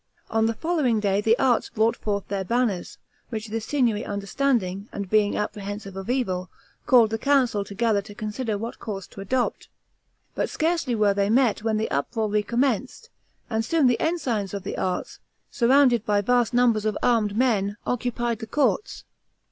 On the following day the Arts brought forth their banners, which the Signory understanding, and being apprehensive of evil, called the Council together to consider what course to adopt. But scarcely were they met, when the uproar recommenced, and soon the ensigns of the Arts, surrounded by vast numbers of armed men, occupied the courts.